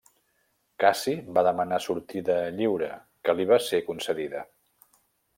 Cassi va demanar sortida lliure, que li va ser concedida.